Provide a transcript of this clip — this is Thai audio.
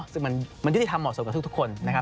ซึ่งมันไม่ได้ที่ทำเหมาะสมกับทุกคน